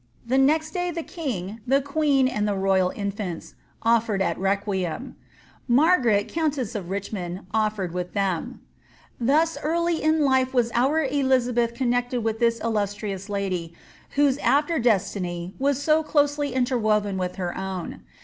The next day the king, the queen, and the royal infants, offered at requiem. Margaret, countess of Richmond, ofiered with them, Thus early in life was our Elizabeth connected with this illustrious lady, whose aAer destiny was so closely interwoven with her own.